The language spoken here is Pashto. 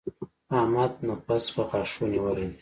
احمد نفس په غاښ نيولی دی.